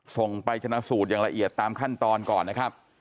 ส่งไปชนะสูตรอย่างละเอียดตามขั้นตอนก่อนนะครับ